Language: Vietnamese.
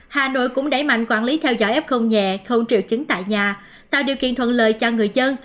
hà nội cũng đẩy mạnh quản lý theo dõi f nhẹ không triệu chứng tại nhà tạo điều kiện thuận lợi cho người dân